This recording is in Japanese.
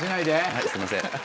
はいすいません。